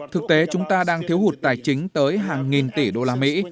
thực tế chúng ta đang thiếu hụt tài chính tới hàng nghìn tỷ đô la mỹ